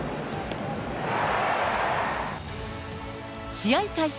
試合開始